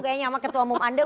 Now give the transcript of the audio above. kayaknya sama ketua umum anda